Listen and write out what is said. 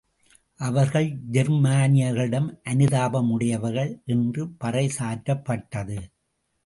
அவர்கள் ஜெர்மானியர்களிடம் அதுதாபமுடையவர்கள் என்று பறை சாற்றப்பட்டது.